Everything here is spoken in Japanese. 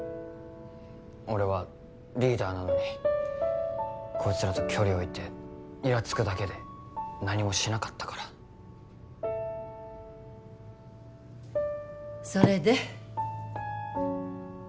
俺はリーダーなのにこいつらと距離を置いてイラつくだけで何もしなかったからそれで？